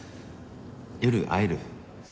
夜会える？